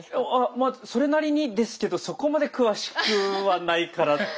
まあそれなりにですけどそこまで詳しくはないからって。